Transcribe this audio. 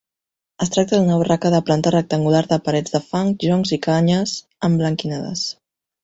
Es tracta d'una barraca de planta rectangular de parets de fang, joncs i canyes emblanquinades.